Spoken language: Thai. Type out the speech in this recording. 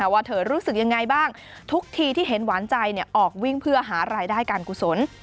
ว่าเธอรู้สึกยังไงบ้างทุกทีที่เห็นหวานใจออกวิ่งเพื่อหารายได้การกุศล